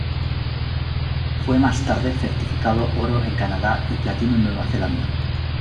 Fue más tarde certificado Oro en Canadá y Platino en Nueva Zelanda.